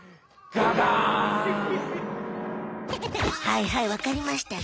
はいはいわかりました